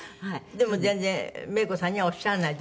でも全然メイコさんにはおっしゃらない？